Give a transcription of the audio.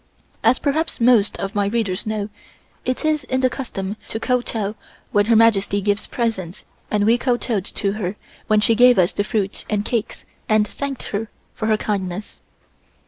As perhaps most of my readers know, it is the custom to kowtow when Her Majesty gives presents and we kowtowed to her when she gave us the fruit and cakes and thanked her for her kindness.